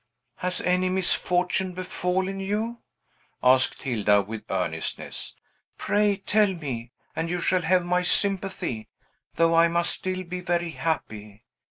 "Has any misfortune befallen you?" asked Hilda with earnestness. "Pray tell me, and you shall have my sympathy, though I must still be very happy.